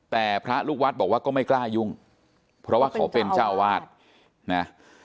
แต่พระลูกวัดบอกว่าก็ไม่กล้ายุ่งเพราะว่าเขาเป็นเจ้าวาดนะ